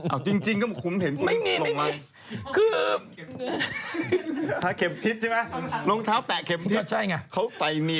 เออจริงก็คุณเห็นคุณตัวลงมาไม่มี